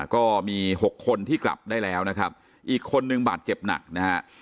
ก็มี๖คนที่กลับได้แล้วนะครับอีกคนนึงบาดเจ็บหนักนะฮะ